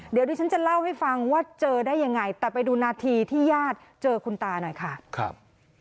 เดี๋ยวดิฉันจะเล่าให้ฟังว่าเจอได้ยังไงแต่ไปดูนาทีที่ญาติเจอคุณตาหน่อยค่ะครับ